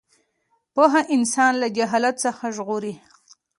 پوهه انسان له جهالت څخه ژغوري.